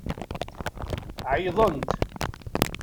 Ɛeyḍent.